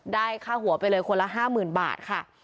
ได้ค่าหัวไปเลยคนละห้าหมื่นบาทค่ะ